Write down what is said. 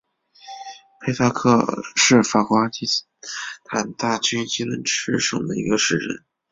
佩萨克是法国阿基坦大区吉伦特省的一个市镇。